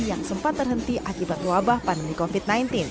yang sempat terhenti akibat wabah pandemi covid sembilan belas